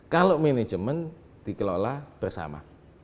kalau manajemen dikelola bersama